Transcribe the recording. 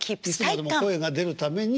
いつまでも声が出るために。